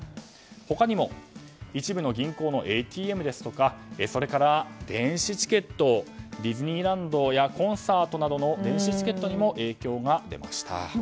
他にも一部の銀行のＡＴＭですとかそれから電子チケットディズニーランドやコンサートの電子チケットにも影響が出ました。